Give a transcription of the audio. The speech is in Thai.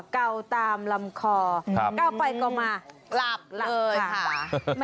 เก่าตามลำคอเก้าไปก็มากลับเลยค่ะ